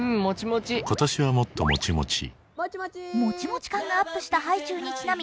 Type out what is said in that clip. もちもち感がアップしたハイチュウにちなみ